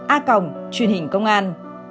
a truyền hình công an